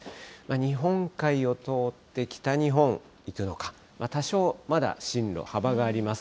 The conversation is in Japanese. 日本海を通って、北日本行くのか、多少、まだ進路、幅があります。